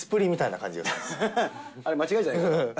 あれ、間違いじゃないか？